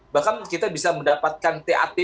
bahkan kita bisa mendapatkan tat